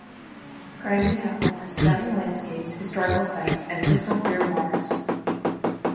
Crimea offers stunning landscapes, historical sites, and crystal-clear waters.